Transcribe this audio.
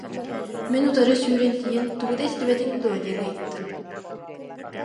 Мин утары сүүрэн тиийэн тугу да истибэтиҥ дуо диэн ыйыттым